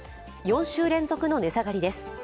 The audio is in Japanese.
４週連続の値下がりです。